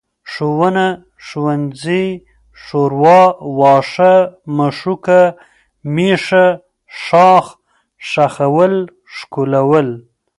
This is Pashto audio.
ښوونه، ښوونځی، ښوروا، واښه، مښوکه، مېښه، ښاخ، ښخول، ښکلول